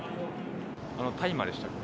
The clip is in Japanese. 大麻でしたっけ。